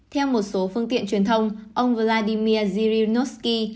theo một số phương tiện truyền thông ông vladimir zyrinovsky